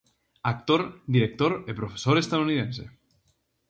Actor, director e profesor estadounidense.